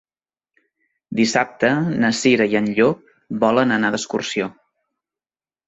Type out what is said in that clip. Dissabte na Cira i en Llop volen anar d'excursió.